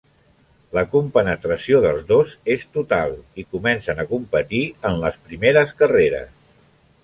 La compenetració dels dos és total, i comencen a competir en les primeres carreres.